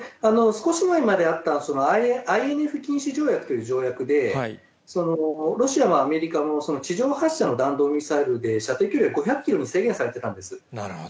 少し前までにあったＩＮＦ禁止条約という条約で、ロシアもアメリカも地上発射の弾道ミサイルで射程距離は５００キロに制限されてたんです。